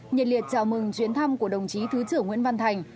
nhiệt liệt chào mừng chuyến thăm của đồng chí thứ trưởng nguyễn văn thành